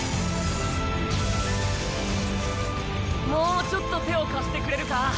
もうちょっと手を貸してくれるか？